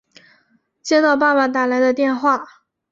接到爸爸打来的电话